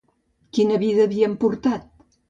Quina vida havien portat?